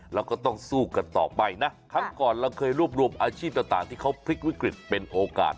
แล้วก็ต้องสู้กันต่อไปนะครั้งก่อนเราเคยรวบรวมอาชีพต่างที่เขาพลิกวิกฤตเป็นโอกาส